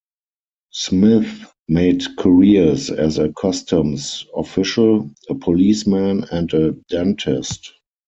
Smith made careers as a customs official, a policeman and a dentist.